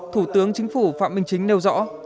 thủ tướng chính phủ phạm minh chính nêu rõ